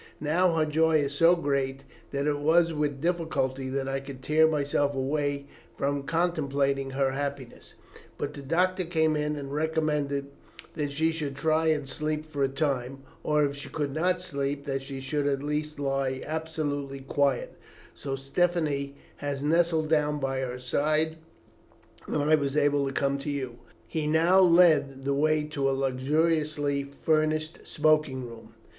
Now her joy is so great that it was with difficulty that I could tear myself away from contemplating her happiness, but the doctor came in and recommended that she should try and sleep for a time, or if she could not sleep that she should at least lie absolutely quiet, so Stephanie has nestled down by her side, and I was able to come to you." He now led the way to a luxuriously furnished smoking room.